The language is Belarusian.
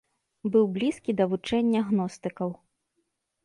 Быў блізкі да вучэння гностыкаў.